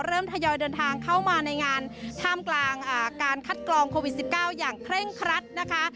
ทยอยเดินทางเข้ามาในงานท่ามกลางการคัดกรองโควิด๑๙อย่างเคร่งครัดนะคะ